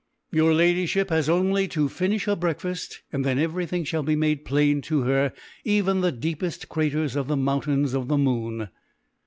"Your Ladyship has only to finish her breakfast, and then everything shall be made plain to her, even the deepest craters of the mountains of the moon."